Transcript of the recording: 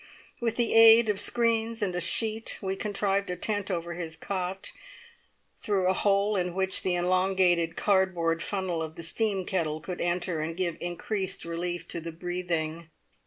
With the aid of screens and a sheet we contrived a tent over his cot, through a hole in which the elongated cardboard funnel of the steam kettle could enter and give increased relief to the breathing.